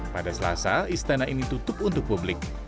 pada selasa istana ini tutup untuk publik